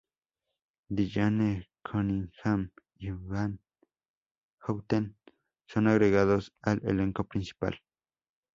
Dillane, Cunningham, y van Houten son agregados al elenco principal.